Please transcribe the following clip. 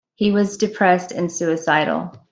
He was depressed and suicidal.